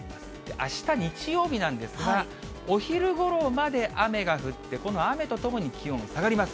あした日曜日なんですが、お昼ごろまで雨が降って、この雨とともに、気温も下がります。